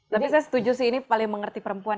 tapi saya setuju sih ini paling mengerti perempuan